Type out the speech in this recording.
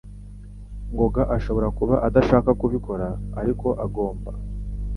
ngago ashobora kuba adashaka kubikora, ariko agomba.